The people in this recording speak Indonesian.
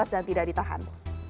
dan tidak ditahan